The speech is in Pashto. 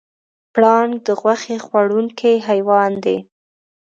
پړانګ د غوښې خوړونکی حیوان دی.